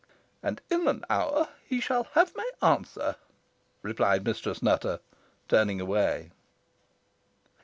"And in an hour he shall have my answer," replied Mistress Nutter, turning away.